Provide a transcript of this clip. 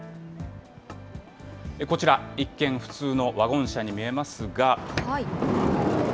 こちら、一見普通のワゴン車に見えますが。